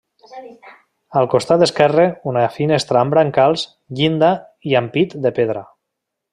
Al costat esquerre, una finestra amb brancals, llinda i ampit de pedra.